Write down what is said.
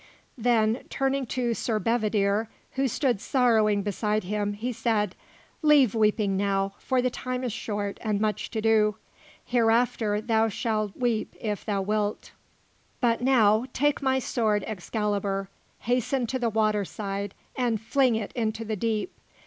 Then, turning to Sir Bedivere, who stood sorrowing beside him, he said: "Leave weeping now, for the time is short and much to do. Hereafter shalt thou weep if thou wilt. But take now my sword Excalibur, hasten to the water side, and fling it into the deep.